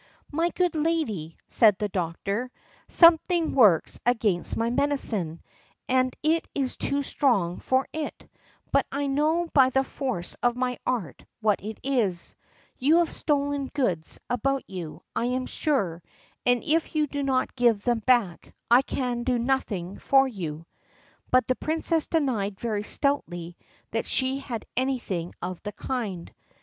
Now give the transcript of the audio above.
"My good lady," said the doctor, "something works against my medicine, and is too strong for it; but I know by the force of my art what it is; you have stolen goods about you, I am sure; and if you do not give them back, I can do nothing for you." But the princess denied very stoutly that she had anything of the kind.